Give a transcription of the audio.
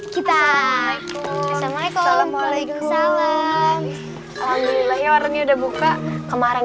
kita sama ikut alam alam alaikum salam alhamdulillah ya warnanya udah buka kemarin